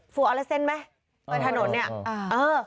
ฟูอรัสเซ็นต์ไหมอ๋อทางถนนเนี้ยอ๋อเออ